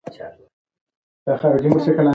که تاسي غواړئ ښه ویده شئ، نو کافي مه څښئ.